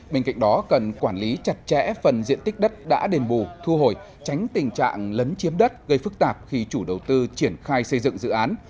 bên cạnh đó cần quản lý chặt chẽ phần diện tích đất đã đền bù thu hồi tránh tình trạng lấn chiếm đất gây phức tạp khi chủ đầu tư triển khai xây dựng dự án